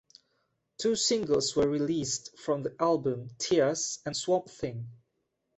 Two singles were released from the album: "Tears" and "Swamp Thing".